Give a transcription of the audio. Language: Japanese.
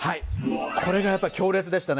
これがやっぱり強烈でしたね。